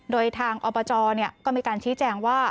โดยทางเอาเปอร์จรเนี่ยก็มีการชี้แจงว่า